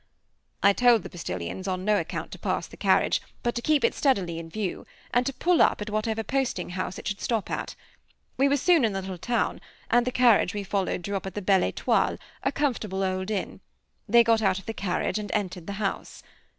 I told the postilions on no account to pass the carriage, but to keep it steadily in view, and to pull up at whatever posting house it should stop at. We were soon in the little town, and the carriage we followed drew up at the Belle Étoile, a comfortable old inn. They got out of the carriage and entered the house.